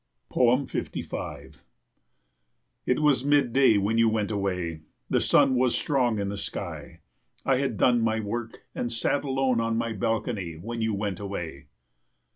55 It was mid day when you went away. The sun was strong in the sky. I had done my work and sat alone on my balcony when you went away.